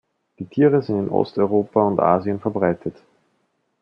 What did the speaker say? Die Tiere sind in Osteuropa und Asien verbreitet.